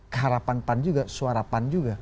keharapan pan juga suara pan juga